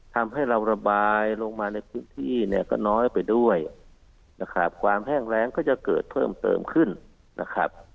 ทำให้เราระบายลงมาในพื้นที่เนี่ยก็น้อยไปด้วยนะครับความแห้งแรงก็จะเกิดเพิ่มเติมขึ้นนะครับ